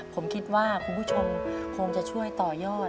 ผมคิดว่าคุณผู้ชมคงจะช่วยต่อยอด